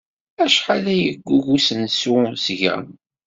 Acḥal ay yeggug usensu seg-a?